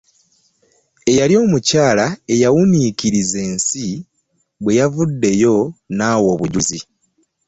Ewali omukyala eyawuniikiriza ensi bwe yavuddeyo nawa obujulizi.